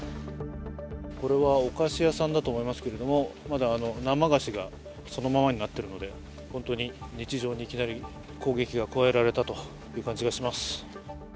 これはお菓子屋さんだと思いますけれどまだ生菓子がそのままになっているので本当に日常にいきなり攻撃が加えられたという感じがします。